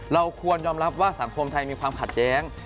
เราควรยอมรับว่าสังคมไทยมีความขัดแย้ง